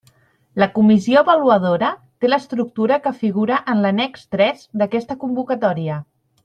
La comissió avaluadora té l'estructura que figura en l'annex tres d'aquesta convocatòria.